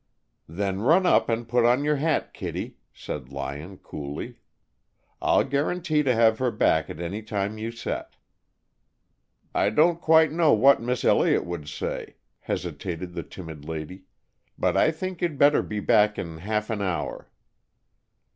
"Then run up and put on your hat, Kittie," said Lyon, coolly. "I'll guarantee to have her back at any time you set." "I don't quite know what Miss Elliott would say," hesitated the timid lady, "but I think you'd better be back in half an hour."